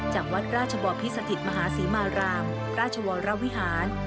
จากวัดราชบอพิสถิตมหาศรีมารามราชวรวิหาร